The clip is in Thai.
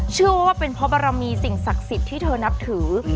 เชื่อว่าเป็นเพราะบารมีสิ่งศักดิ์สิทธิ์ที่เธอนับถือ